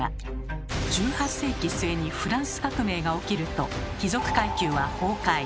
１８世紀末にフランス革命が起きると貴族階級は崩壊。